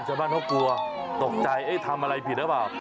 ชาวบ้านเขากลัวตกใจเอ๊ะทำอะไรผิดหรือเปล่า